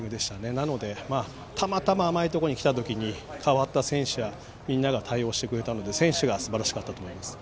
なので、たまたま甘いところに来た時に代わった選手やみんなが対応してくれたので選手がすばらしかったと思います。